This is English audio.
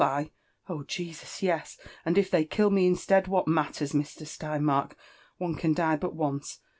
— Qh, Jesiis, ye^l And if they kill me instead, what ipattpr&, Mr* Steinmaik? One can die but on^e.